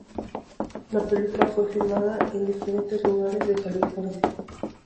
La película fue filmada en diferentes lugares de California.